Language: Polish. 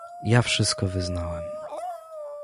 "Ja wszystko wyznałem."